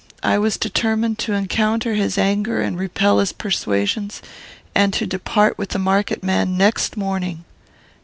I was determined to encounter his anger and repel his persuasions; and to depart with the market man next morning.